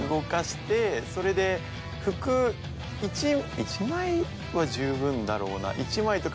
服１枚は十分だろうな。